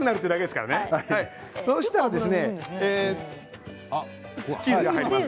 そうしたらチーズが入ります。